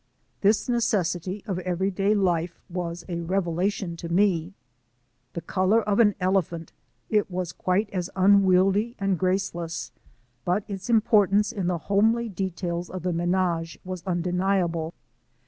This necessity of every day life was a revelation to me. The color of an elephant, it was quite as unwieldy and graceless, but its import ance in the homely details of the manage was undeniable.